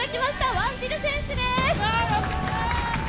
ワンジル選手です。